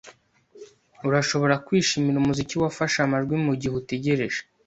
Urashobora kwishimira umuziki wafashwe amajwi mugihe utegereje.